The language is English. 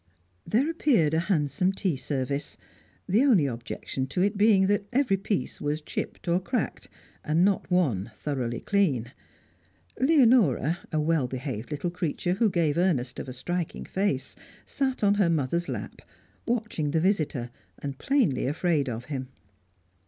There appeared a handsome tea service; the only objection to it being that every piece was chipped or cracked, and not one thoroughly clean. Leonora, a well behaved little creature who gave earnest of a striking face, sat on her mother's lap, watching the visitor and plainly afraid of him.